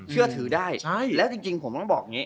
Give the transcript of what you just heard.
เชื่อถือได้แล้วจริงผมต้องบอกอย่างนี้